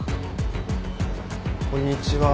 こんにちは。